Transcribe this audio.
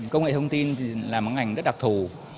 công nghệ thông tin thì là một ngành rất đặc thù